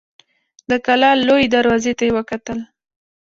د کلا لويي دروازې ته يې وکتل.